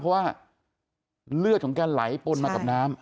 เพราะว่าเลือดของแกไหลปนมากับน้ำ